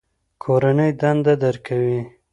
کورنۍ دنده درکوي؟